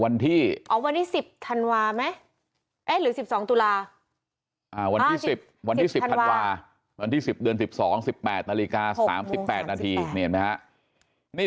วันที่๑๐ธันวาหรือ๑๒ตุลาวันที่๑๐ธันวาวันที่๑๐เดือน๑๒๑๘นาฬิกา๓๘นาที